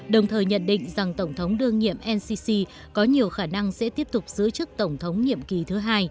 đồng thời nhận định rằng tổng thống đương nhiệm ncc có nhiều khả năng sẽ tiếp tục giữ chức tổng thống nhiệm kỳ thứ hai